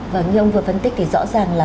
vâng như ông vừa phân tích thì rõ ràng là